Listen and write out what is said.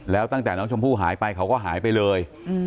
แล้วตั้งแต่น้องชมพู่หายไปเขาก็หายไปเลย